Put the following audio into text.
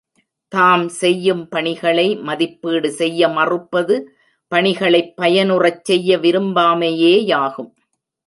தாம் செய்யும் பணிகளை மதிப்பீடு செய்ய மறுப்பது, பணிகளைப் பயனுறச் செய்ய விரும்பாமையே யாகும்.